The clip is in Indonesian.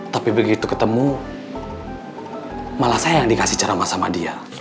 tapi begitu ketemu malah saya yang dikasih ceramah sama dia